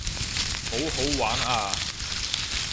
好好玩啊